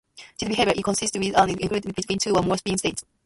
This behavior is consistent with an equilibrium between two or more spin states.